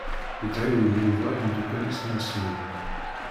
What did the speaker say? Yettɛiwin Yuba imeddukal-is n usmil.